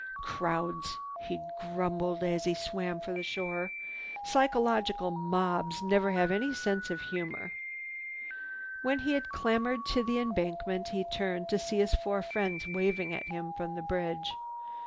"Crowds," he grumbled as he swam for the shore, "psychological mobs never have any sense of humor." When he had clambered to the embankment, he turned to see his four friends waving at him from the bridge.